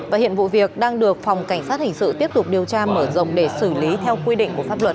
và hiện vụ việc đang được phòng cảnh sát hình sự tiếp tục điều tra mở rộng để xử lý theo quy định của pháp luật